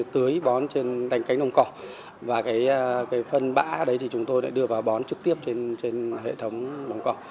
tưới bón trên đành cánh đồng cỏ và cái phân bã đấy thì chúng tôi đưa vào bón trực tiếp trên hệ thống đồng cỏ